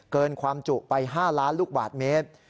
เกินความจุไป๕ล้านลูกบาทเมตร